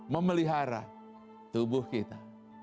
memelihara tubuh kita